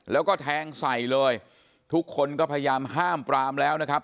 แล้วก็แทงใส่เลยทุกคนก็พยายามห้ามปรามแล้วนะครับ